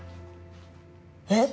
えっ！？